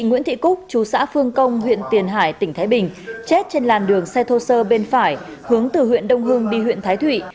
nguyễn thị cúc chú xã phương công huyện tiền hải tỉnh thái bình chết trên làn đường xe thô sơ bên phải hướng từ huyện đông hưng đi huyện thái thụy